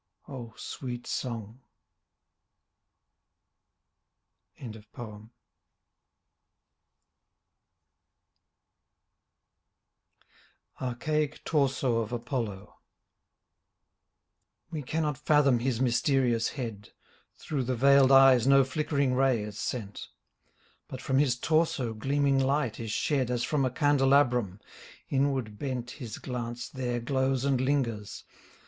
O! Sweet song — 48 ARCHAIC TORSO OF APOLLO We cannot fathom his mysterious head. Through the veiled eyes no flickering ray is sent: But from his torso gleaming light is shed As from a ca^elabrum ; inward bent His glance there glows and lingers.